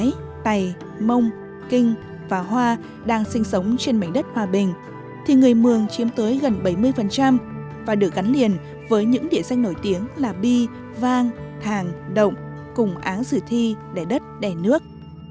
trong cộng đồng bảy dân tộc cổ mường giao thái tày mông kinh và hoa đang sinh sống trên mảnh đất hòa bình thì người mường chiếm tới gần bảy mươi và được gắn liền với những địa danh nổi tiếng là bi vang thàng động cùng áng dự thi đẻ đất đẻ nước